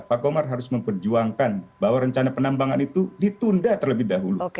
pak komar harus memperjuangkan bahwa rencana penambangan itu ditunda terlebih dahulu